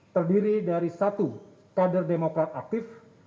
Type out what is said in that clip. terdiri dari satu kader demokrat aktif